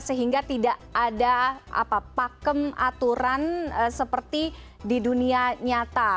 sehingga tidak ada pakem aturan seperti di dunia nyata